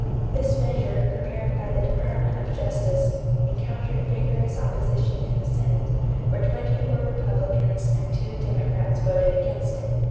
This measure, prepared by the Department of Justice, encountered vigorous opposition in the Senate, where twenty four Republicans and two Democrats voted against it.